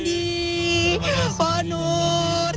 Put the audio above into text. terima kasih banyak